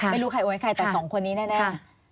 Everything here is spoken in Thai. ไม่รู้ใครโอนให้ใครแต่สองคนนี้แน่